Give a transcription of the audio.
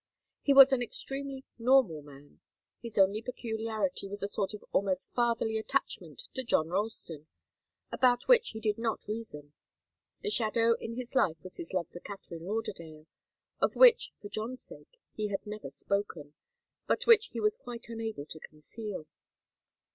He was an extremely normal man. His only peculiarity was a sort of almost fatherly attachment to John Ralston, about which he did not reason. The shadow in his life was his love for Katharine Lauderdale, of which, for John's sake, he had never spoken, but which he was quite unable to conceal.